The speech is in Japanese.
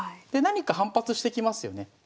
で何か反発してきますよね。